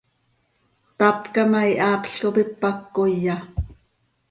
Tapca ma, ihaapl cop ipac coya.